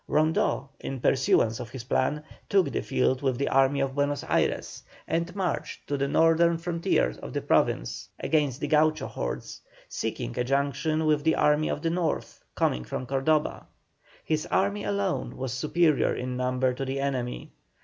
Rondeau, in pursuance of his plan, took the field with the Army of Buenos Ayres, and marched to the northern frontier of the Province, against the Gaucho hordes, seeking a junction with the Army of the North, coming from Cordoba. His army alone was superior in number to the enemy.